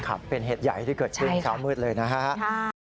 ครับเป็นเหตุใหญ่ที่เกิดขึ้นเช้ามืดเลยนะครับ